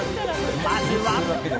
まずは。